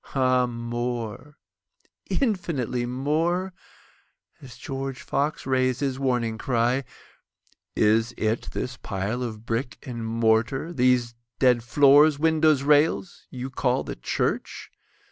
Ah more—infinitely more;(As George Fox rais'd his warning cry, "Is it this pile of brick and mortar—these dead floors, windows, rails—you call the church?